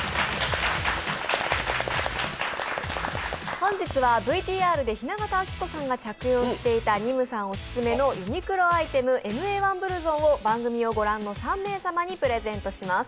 本日はＶＴＲで雛形あきこさんが着用していたＮＩＭＵさんのオススメのユニクロアイテム、ＭＡ−１ブルゾンを番組を御覧の３名様にプレゼントします。